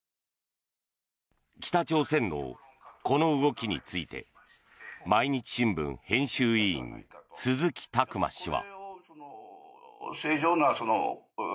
北朝鮮のこの動きについて毎日新聞編集委員鈴木琢磨氏は。